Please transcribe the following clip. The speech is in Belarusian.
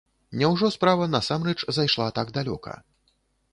Няўжо справа насамрэч зайшла так далёка?